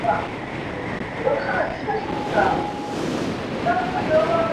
圣德基督学院是位于台湾桃园市中坜区的一所私立基督教学院。